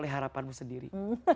oleh harapanmu sendiri